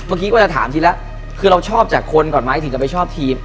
เมื่อกี้ก็จะถามทีแล้วคือเราชอบจากคนก่อนไหมถึงจะไปชอบทีม